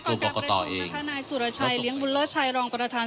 กรประกตตอเองสุรชัยเลี้ยงบุลลเลอร์ชัยรองประธาน